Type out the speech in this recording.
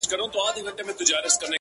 سور زېږوي راته سرور جوړ كړي-